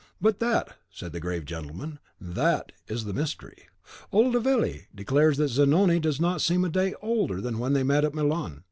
"But that," said the grave gentleman, "THAT is the mystery. Old Avelli declares that Zanoni does not seem a day older than when they met at Milan.